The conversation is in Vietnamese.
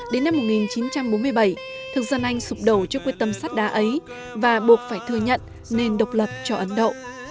đến năm một nghìn chín trăm bốn mươi bảy thực dân anh sụp đổ trước quyết tâm sắt đá ấy và buộc phải thừa nhận nền độc lập cho ấn độ